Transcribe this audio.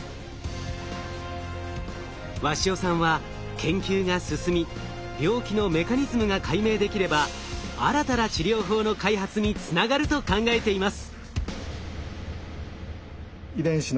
鷲尾さんは研究が進み病気のメカニズムが解明できれば新たな治療法の開発につながると考えています。